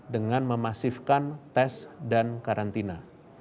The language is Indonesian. dengan memasifkan tes dan karantina